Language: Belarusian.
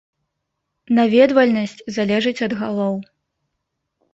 Наведвальнасць залежыць ад галоў.